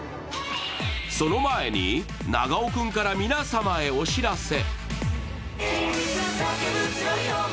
その前に、長尾君から皆様へお知らせ。